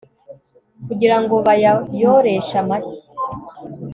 kugira ngo bayayoreshe amashyi